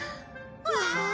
わあ！